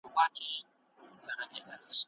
په دولت کي سياست تر نورو بنسټونو مهم دی.